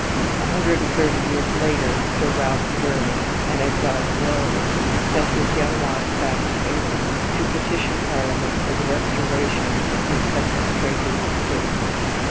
A hundred and thirty years later, Sir Ralph Verney, an exiled royalist, sent his young wife back to England to petition Parliament for the restoration of his sequestrated estates.